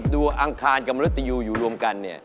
อังคารกับมรัตยูอยู่รวมกันเนี่ย